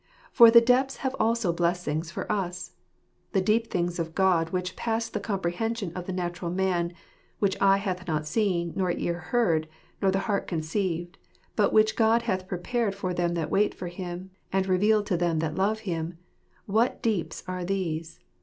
For the depths have also blessings for us. The deep things of God, which pass the comprehension of the natural man : which eye hath not seen, nor ear heard, nor the heart conceived ; but which God hath prepared for them that wait for Him, and revealed to them that love Him — what deeps are these